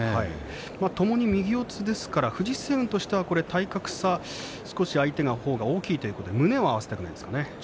ともに右四つですから藤青雲としては体格差、相手が大きいので胸を合わせたくないですね。